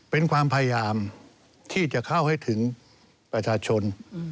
เป็นความพยายามที่จะเข้าให้ถึงประชาชน